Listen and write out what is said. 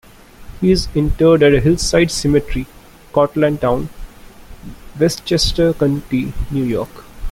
He is interred at Hillside Cemetery, Cortlandt town, Westchester County, New York.